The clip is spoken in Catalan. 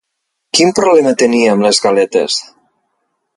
Quin problema tenia amb les galetes?